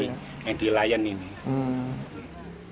dia sudah berhasil menangkap syahrul